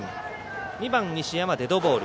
２番、西山、デッドボール。